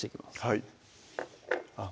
はいあっ